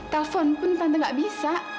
telepon pun tante gak bisa